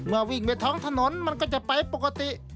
วิ่งไปท้องถนนมันก็จะไปปกติ